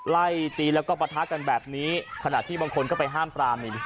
ไล่ตีแล้วก็ปะทะกันแบบนี้ขณะที่บางคนก็ไปห้ามปรามนี่